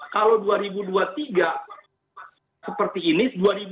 kalau dua ribu dua puluh tiga seperti ini